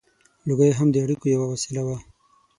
• لوګی هم د اړیکو یوه وسیله وه.